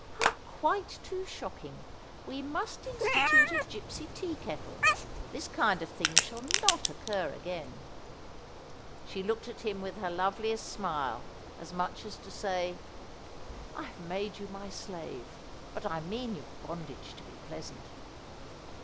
' How quite too shocking ! We must institute a gipsy tea kettle. This kind of thing shall not occur again.' She looked at him with her loveliest smile, as much as to 'His Herte bathed in a Bath of BUsse.' 79 say :' I have made you my slave, but I mean your bondage to be pleasant.'